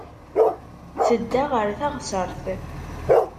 Tedda ɣer teɣsert.